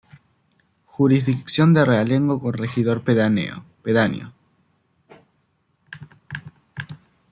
Jurisdicción de realengo con regidor pedáneo.